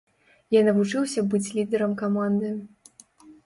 Я навучыўся быць лідарам каманды.